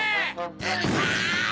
・うるさい！